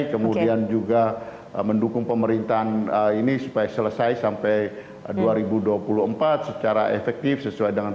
kemudian juga mendukung pemerintahan ini supaya selesai sampai dua ribu dua puluh empat secara efektif sesuai dengan